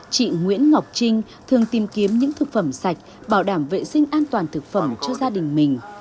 chị nguyễn ngọc trinh thường tìm kiếm những thực phẩm sạch bảo đảm vệ sinh an toàn thực phẩm cho gia đình mình